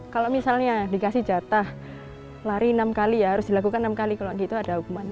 kalau misalnya dikasih jatah lari enam kali ya harus dilakukan enam kali kalau gitu ada hukumannya